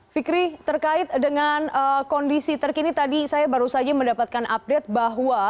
fikri terkait dengan kondisi terkini tadi saya baru saja mendapatkan update bahwa